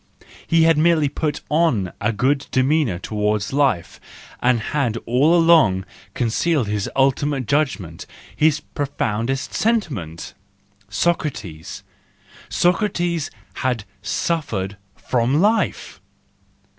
He had merely put on a good demeanour towards life, and had all along concealed his ultimate judgment, his profoundest sentiment! Socrates, Socrates had suffered from life!